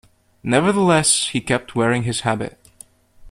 Nevertheless, he kept wearing his habit.